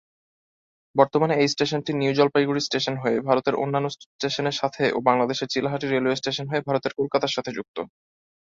বর্তমানে এই স্টেশনটি নিউ-জলপাইগুড়ি স্টেশন হয়ে ভারতের অন্যান্য স্টেশনের সাথে ও বাংলাদেশের চিলাহাটি রেলওয়ে স্টেশন হয়ে ভারতের কলকাতার সাথে যুক্ত।